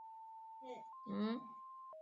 但事情远未结束。